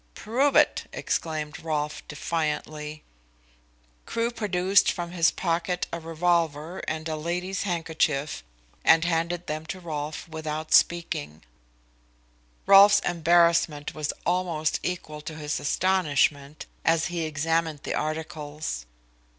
"Prove it!" exclaimed Rolfe defiantly. Crewe produced from his pocket a revolver and a lady's handkerchief, and handed them to Rolfe without speaking. Rolfe's embarrassment was almost equal to his astonishment as he examined the articles.